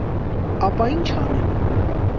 - Ապա ի՞նչ անեմ.